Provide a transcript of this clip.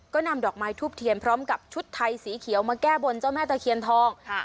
ก็นำดอกไม้ทูบเทียนพร้อมกับชุดไทยสีเขียวมาแก้บนเจ้าแม่ตะเคียนทอง